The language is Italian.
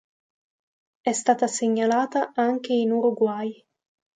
È stata segnalata anche in Uruguay.